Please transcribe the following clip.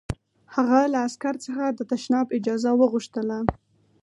هغه له عسکر څخه د تشناب اجازه وغوښته